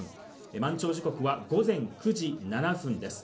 満潮時刻は午前９時７分です。